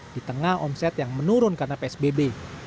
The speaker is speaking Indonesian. di tengah omset yang menurun karena psbb